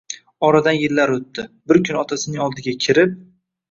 Oradan yillar o`tdi, bir kuni otasining oldiga kirib